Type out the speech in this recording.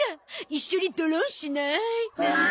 一緒にドロンしない？